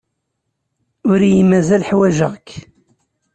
Ur iyi-mazal ḥwajeɣ-k.